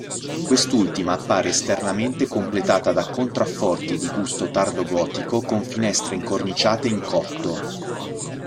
Quest'ultima appare esternamente completata da contrafforti di gusto tardogotico con finestre incorniciate in cotto.